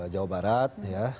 jawa barat ya